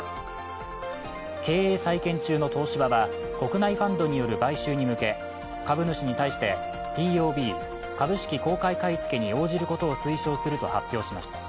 経営再建中の東芝は国内ファンドによる買収に向け株主に対してＴＯＢ＝株式公開買い付けに応じることを推奨すると発表しました。